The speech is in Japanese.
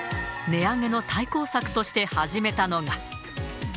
値上げの対抗策として始めたのが。